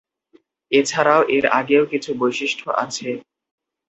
এছারাও এর আরও কিছু বৈশিষ্ট্য আছে।